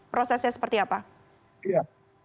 prosesnya seperti apa